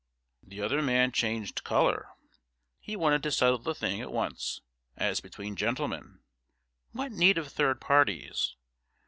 The other man changed colour. He wanted to settle the thing at once as between gentlemen. What need of third parties?